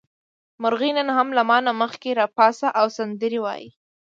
مرغۍ نن هم له ما نه مخکې راپاڅي او سندرې وايي.